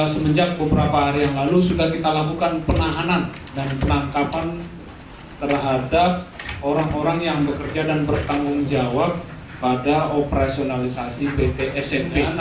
semenjak beberapa hari yang lalu sudah kita lakukan penahanan dan penangkapan terhadap orang orang yang bekerja dan bertanggung jawab pada operasionalisasi pt sma